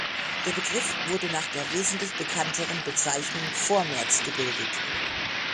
Der Begriff wurde nach der wesentlich bekannteren Bezeichnung Vormärz gebildet.